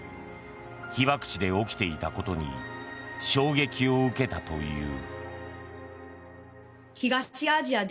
被爆地で起きていたことに衝撃を受けたという。